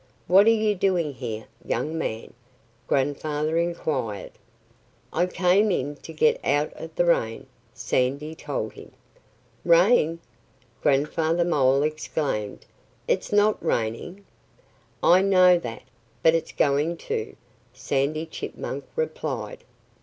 "What are you doing here, young man?" Grandfather inquired. "I came in to get out of the rain," Sandy told him. "Rain!" Grandfather Mole exclaimed. "It's not raining!" "I know that. But it's going to," Sandy Chipmunk replied.